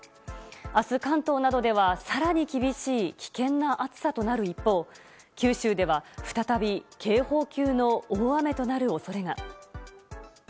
明日、関東などでは更に厳しい危険な暑さとなる一方九州では再び警報級の大雨となる恐れが。